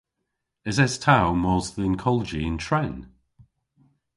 Eses ta ow mos dhe'n kolji yn tren?